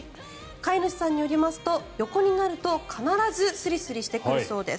飼い主さんによりますと横になると必ずスリスリしてくるそうです。